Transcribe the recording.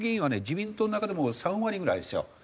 自民党の中でも３割ぐらいですよ。